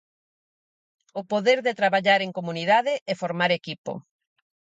O poder de traballar en comunidade e formar equipo.